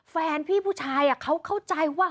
แฟนพี่ผู้ชายเขาเข้าใจว่า